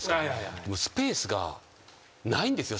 スペースがないんですよ